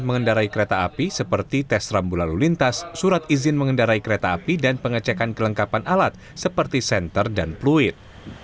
mengendarai kereta api seperti tes rambu lalu lintas surat izin mengendarai kereta api dan pengecekan kelengkapan alat seperti senter dan pluit